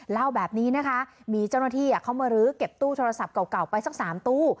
เล่าแบบนี้นะคะมีเจ้าหน้าที่เขามาลื้อเก็บตู้โทรศัพท์เก่าไปสัก๓ตู้